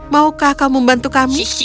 maukah kamu membantu kami